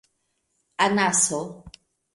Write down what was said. anaso